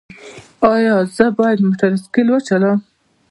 ایا زه باید موټر سایکل وچلوم؟